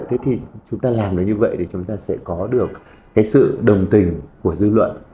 thế thì chúng ta làm được như vậy thì chúng ta sẽ có được cái sự đồng tình của dư luận